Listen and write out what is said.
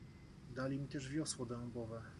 "Dali mi też wiosło dębowe..."